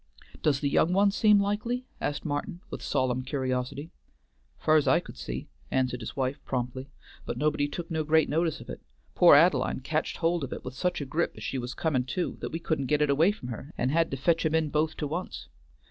"Does the young one seem likely?" asked Martin with solemn curiosity. "Fur's I could see," answered his wife promptly, "but nobody took no great notice of it. Pore Ad'line catched hold of it with such a grip as she was comin' to that we couldn't git it away from her and had to fetch'em in both to once.